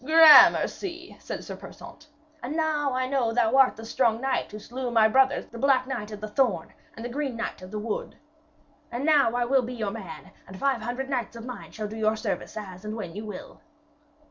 'Gramercy,' said Sir Persaunt, 'and now I know thou art the strong knight who slew my brothers the Black Knight of the Thorn and the Green Knight of the Wood. And now I will be your man, and five hundred knights of mine shall do your service as and when you will.'